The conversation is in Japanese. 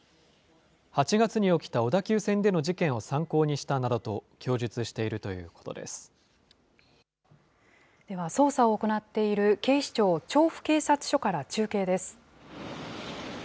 ８月に起きた小田急線での事件を参考にしたなどと供述しているとでは捜査を行っている警視庁調布警察署から中継です。